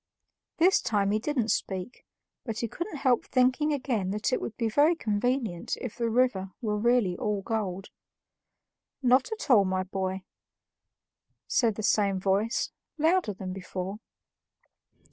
This time he didn't speak, but he couldn't help thinking again that it would be very convenient if the river were really all gold. "Not at all, my boy," said the same voice, louder than before.